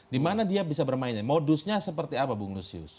dimana dia bisa bermainnya modusnya seperti apa bung lusius